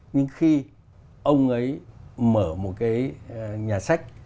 nhưng khi ông ấy mở một cái nhà sách